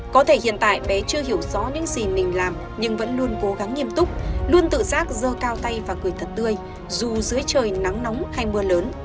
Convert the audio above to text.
có thể hiện tại bé chưa hiểu rõ những gì mình làm nhưng vẫn luôn cố gắng nghiêm túc luôn tự giác dơ cao tay và cười thật tươi dù dưới trời nắng nóng hay mưa lớn